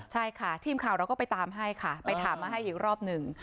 ใช่ค่ะทีมข่าวเราก็ไปตามให้ค่ะไปถามมาให้อีกรอบหนึ่ง